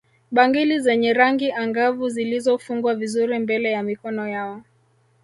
Bangili zenye rangi angavu zilizofungwa vizuri mbele ya mikono yao